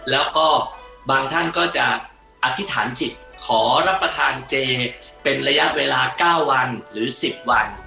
แล้วก็บางท่านก็จะอธิษฐานจิตขอรับประทานเจเป็นระยะเวลา๙วันหรือ๑๐วัน